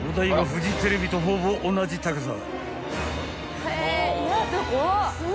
フジテレビとほぼ同じ高さ］